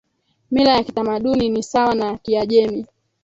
mila ya kitamaduni ni sawa na Kiajemi